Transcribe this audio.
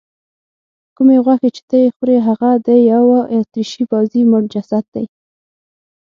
کومې غوښې چې ته یې خورې هغه د یوه اتریشي پوځي مړ جسد دی.